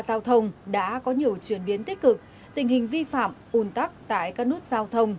giao thông đã có nhiều chuyển biến tích cực tình hình vi phạm un tắc tại các nút giao thông